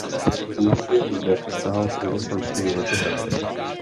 Původně zde stál renesanční letohrádek.